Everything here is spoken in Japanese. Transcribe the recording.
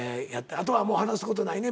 あとはもう話す事ないね？